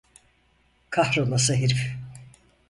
Kahrolası herif!